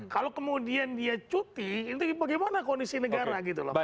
kalau kemudian dia cuti ini bagaimana kondisi negara gitu loh